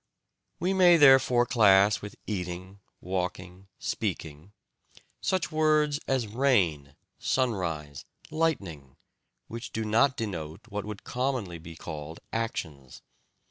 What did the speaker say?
We may therefore class with "eating," "walking," "speaking" words such as "rain," "sunrise," "lightning," which do not denote what would commonly be called actions.